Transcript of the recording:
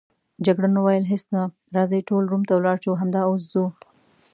جګړن وویل: هیڅ نه، راځئ ټول روم ته ولاړ شو، همدا اوس ځو.